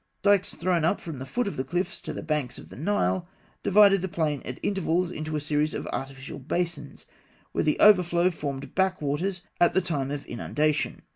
Dikes thrown up from the foot of the cliffs to the banks of the Nile divided the plain at intervals into a series of artificial basins, where the overflow formed back waters at the time of inundation.